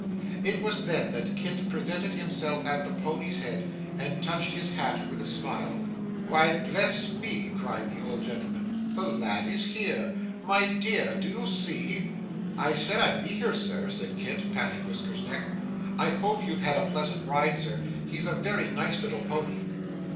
It was then that Kit presented himself at the pony's head, and touched his hat with a smile. 'Why, bless me,' cried the old gentleman, 'the lad is here! My dear, do you see?' 'I said I'd be here, Sir,' said Kit, patting Whisker's neck. 'I hope you've had a pleasant ride, sir. He's a very nice little pony.